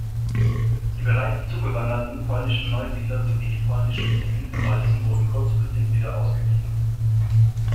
Die bereits zugewanderten polnischen Neusiedler sowie die polnische Zivilverwaltung wurden kurzfristig wieder ausgewiesen.